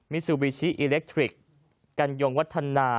ซูบิชิอิเล็กทริกกัญยงวัฒนา